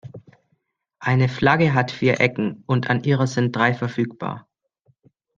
Eine Flagge hat vier Ecken, und an ihrer sind drei verfügbar.